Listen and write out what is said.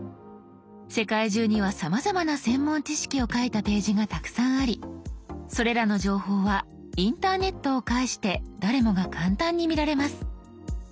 世界中にはさまざまな専門知識を書いたページがたくさんありそれらの情報はインターネットを介して誰もが簡単に見られます。